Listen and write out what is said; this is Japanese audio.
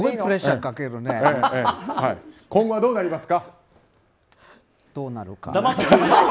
今後どうなりますか？